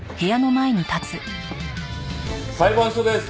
裁判所です。